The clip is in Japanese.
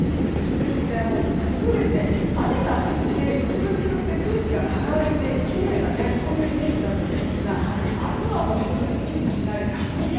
ですので普通雨が降って翌日って空気が洗われてきれいなイメージだと思うんですが明日は本当にすっきりしないかすんだ